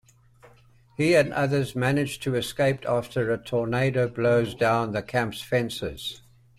He and others manage to escape after a tornado blows down the camp's fences.